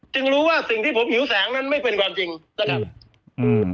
รู้ว่าสิ่งที่ผมหิวแสงนั้นไม่เป็นความจริงนะครับอืม